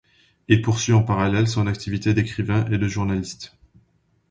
Il poursuit en parallèle son activité d'écrivain et de journaliste.